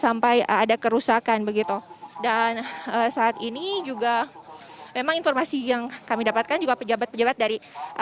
sampai ada kerusakan begitu dan saat ini juga memang informasi yang kami dapatkan juga pejabat pejabat dari